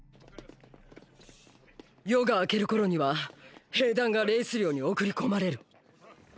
夜が明ける頃には兵団がレイス領に送り込まれる。